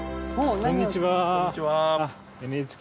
こんにちは。